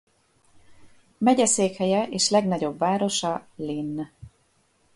Megyeszékhelye és legnagyobb városa Linn.